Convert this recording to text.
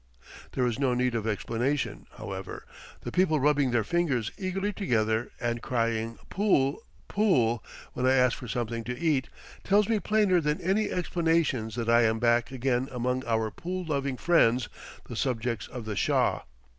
There is no need of explanation, however; the people rubbing their fingers eagerly together and crying, "pool, pool," when I ask for something to eat, tells me plainer than any explanations that I am back again among our pool loving friends, the subjects of the Shah.